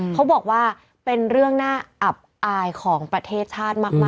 เขาบอกว่าเป็นเรื่องน่าอับอายของประเทศชาติมาก